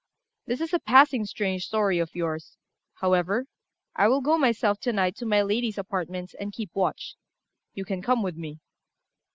"This is a passing strange story of yours; however, I will go myself to night to my lady's apartments and keep watch. You can come with me."